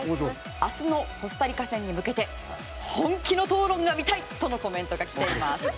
明日のコスタリカ戦に向けて本気の討論が見たいとのコメントが来ています。